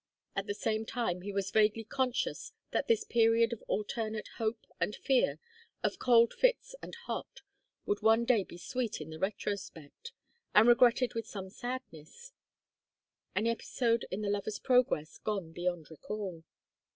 At the same time he was vaguely conscious that this period of alternate hope and fear, of cold fits and hot, would one day be sweet in the retrospect, and regretted with some sadness; an episode in the lover's progress gone beyond recall.